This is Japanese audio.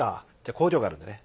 工場があるんでね